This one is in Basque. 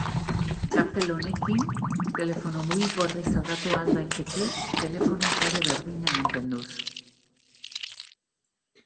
Txartel honekin telefono mugikorrez aldatu ahal daiteke telefono-sare berdina mantenduz.